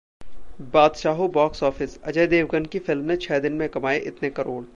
Baadshaho Box Office: Ajay Devgan की फिल्म ने छह दिन में कमाए इतने करोड़